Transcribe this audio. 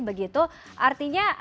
bekerja berhari hari begitu